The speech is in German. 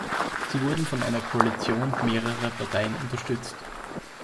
Sie wurde von einer Koalition mehrerer Parteien unterstützt.